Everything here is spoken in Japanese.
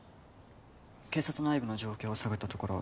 警察内部の状況を探ったところ